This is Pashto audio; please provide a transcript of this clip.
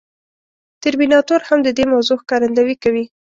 ترمیناتور هم د دې موضوع ښکارندويي کوي.